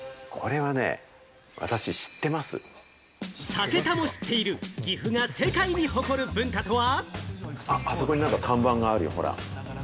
武田も知っている、岐阜が世界に誇る文化とは？